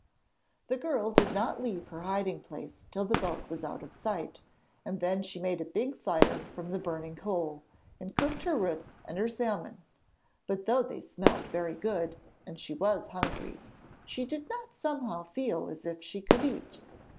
The girl did not leave her hiding place till the boat was out of sight, and then she made a big fire from the burning coal, and cooked her roots and her salmon; but though they smelt very good, and she was hungry, she did not somehow feel as if she could eat.